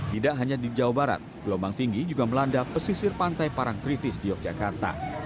tidak hanya di jawa barat gelombang tinggi juga melanda pesisir pantai parang kritis di yogyakarta